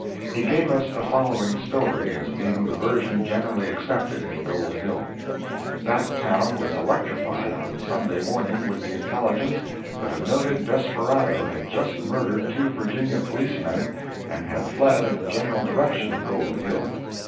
He gave us the following story as being the version generally accepted in Gold Hill:—That town was electrified on Sunday morning with the intelligence that a noted desperado had just murdered two Virginia policemen, and had fled in the general direction of Gold Hill.